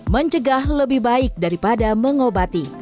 mencegah lebih baik daripada mengobati